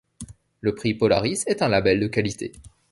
Le prix Polaris est un label de qualité.